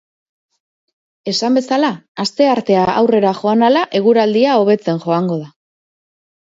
Esan bezala, asteartea aurrera joan ahala, eguraldia hobetzen joango da.